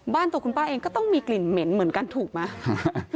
ตัวคุณป้าเองก็ต้องมีกลิ่นเหม็นเหมือนกันถูกไหม